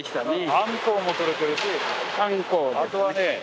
アンコウも取れてるしあとはね